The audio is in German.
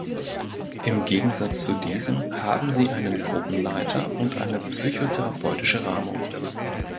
Im Gegensatz zu diesen haben sie einen Gruppenleiter und eine psychotherapeutische Rahmung.